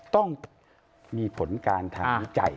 ต้องมีผลการทางวิจัย